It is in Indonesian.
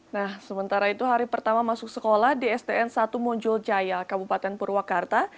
nah sementara itu hari pertama masuk sekolah di sdn satu monjol jaya kabupaten purwakarta